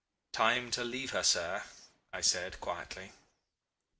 'Time to leave her, sir,' I said, quietly.